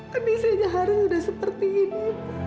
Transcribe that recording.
kandisinya haris sudah seperti ini